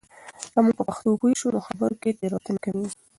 که موږ په پښتو پوه شو، نو خبرو کې تېروتنې کمېږي.